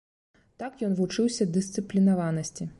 Так ён вучыўся дысцыплінаванасці.